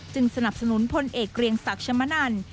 สนับสนุนพลเอกเกรียงศักดิ์ชมนัน